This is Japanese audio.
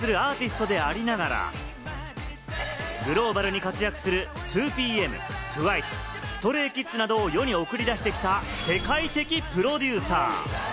韓国を代表するアーティストでありながら、グローバルに活躍する２ＰＭ、ＴＷＩＣＥ、ＳｔｒａｙＫｉｄｓなどを世に送り出してきた世界的プロデューサー。